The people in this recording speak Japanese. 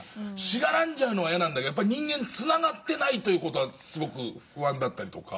しがらんじゃうのは嫌なんだけどやっぱり人間つながってないという事はすごく不安だったり。